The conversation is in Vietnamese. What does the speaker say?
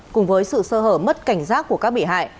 cùng với sự sơ hở mất cảnh giác của các bị hại